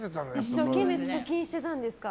一生懸命貯金してたんですか？